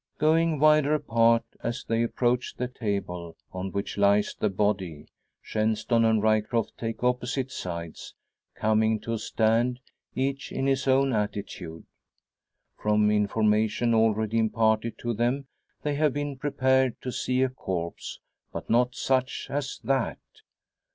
Going wider apart as they approach the table, on which lies the body, Shenstone and Ryecroft take opposite sides coming to a stand, each in his own attitude. From information already imparted to them they have been prepared to see a corpse, but not such as that!